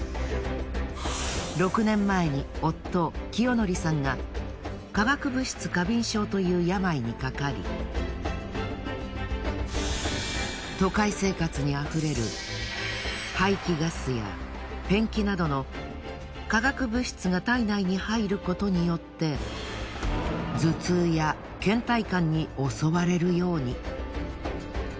６年前に夫清智さんが化学物質過敏症という病にかかり都会生活にあふれる排気ガスやペンキなどの化学物質が体内に入ることによって頭痛や倦怠感に襲われるように。